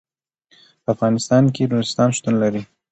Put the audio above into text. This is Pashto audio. په افغانستان کې نورستان شتون لري.